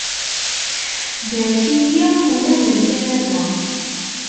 Barek-iyi, ula d nekk, a baba!